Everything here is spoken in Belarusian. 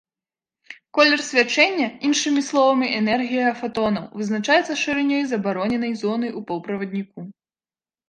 Колер свячэння, іншымі словамі, энергія фатонаў, вызначаецца шырынёй забароненай зоны ў паўправадніку.